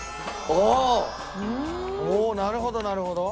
おおなるほどなるほど。